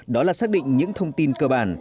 đó là xác định những thông tin cơ bản